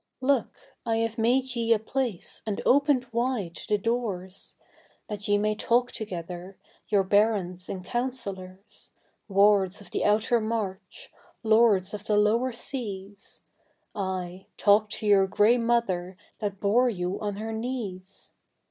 Look, I have made ye a place and opened wide the doors, That ye may talk together, your Barons and Councillors Wards of the Outer March, Lords of the Lower Seas, Ay, talk to your gray mother that bore you on her knees!